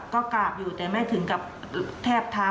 ก็กราบอยู่แต่แม่ถึงกับแทบเท้า